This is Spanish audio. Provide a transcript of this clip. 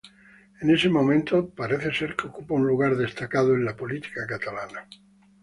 En ese momento parece ser que ocupa un lugar destacado en la política catalana.